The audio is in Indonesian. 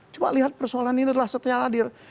coba lihat persoalan ini adalah setelah hadir